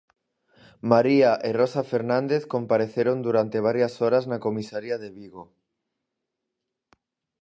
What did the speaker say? María e Rosa Fernández compareceron durante varias horas na comisaría de Vigo.